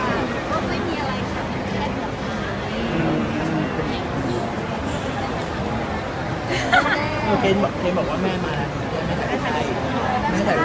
ช่องความหล่อของพี่ต้องการอันนี้นะครับ